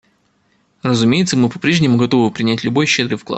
Разумеется, мы попрежнему готовы принять любой щедрый вклад.